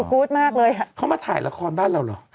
เขามาทำหน้า